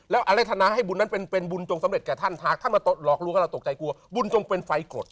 แล้วอะไรทนาให้บุญนั้นเป็นเป็นบุญจงสำเร็จกับท่านถ้ามาหลอกลัวเราตกใจกลัวบุญจงเป็นไฟกรด